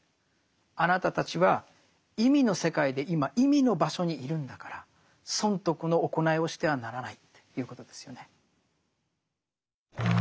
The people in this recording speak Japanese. あなたたちは意味の世界で今意味の場所にいるんだから損得の行いをしてはならないということですよね。